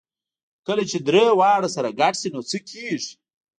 کله چې درې واړه سره ګډ شي نو څه کېږي؟